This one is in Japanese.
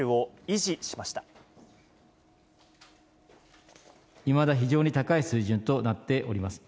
いまだ非常に高い水準となっております。